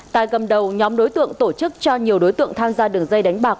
tại gầm đầu nhóm đối tượng tổ chức cho nhiều đối tượng tham gia đường dây đánh bạc